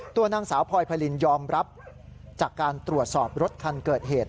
ตัวนางสาวพลอยไพรินยอมรับจากการตรวจสอบรถคันเกิดเหตุ